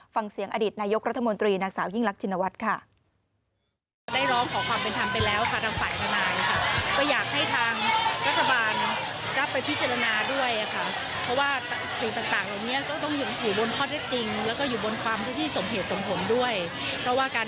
ฟังเสียงอดีตนายกรัฐมนตรีนางสาวยิ่งรักชินวัฒน์ค่ะ